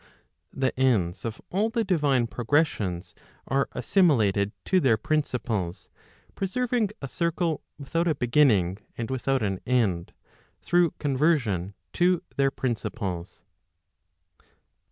The ends of all the divine progressions are assimilated to their principles, preserving* a circle without a beginning and without an end, through conversion to their principles.